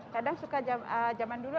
kadang suka zaman dulu